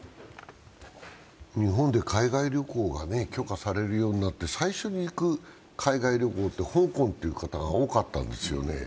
日本で海外旅行が許可されるようになって最初に行く海外旅行って香港という方が多かったんですよね。